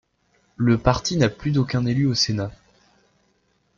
Le parti n'a plus aucun élu au Sénat.